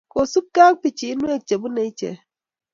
kosupgei ak pichiinwek chebune ichek